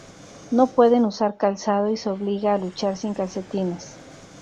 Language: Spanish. No pueden usar calzado y se obliga a luchar sin calcetines.